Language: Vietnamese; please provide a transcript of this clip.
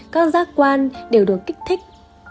các giác quan đều được kích thích